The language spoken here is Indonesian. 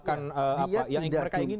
yang mereka inginkan